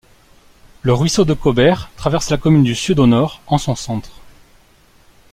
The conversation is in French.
Le ruisseau de Caubère traverse la commune du sud au nord en son centre.